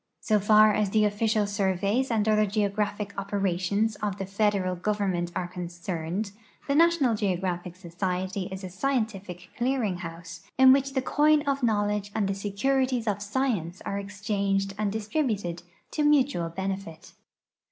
So far as the official surveys and other geographic operations of the federal government are concerned, the National Geographic Society is a scientific clear ing house in Avhich the coin of knoAvledge and the securities of science are e.xchanged and distrilmted to mutual benefit.